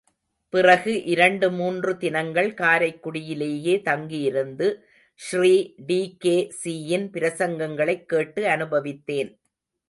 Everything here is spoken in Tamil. பிறகு இரண்டு மூன்று தினங்கள் காரைக்குடியிலேயே தங்கியிருந்து ஸ்ரீ டி.கே.சியின் பிரசங்கங்களைக் கேட்டு அனுபவித்தேன்.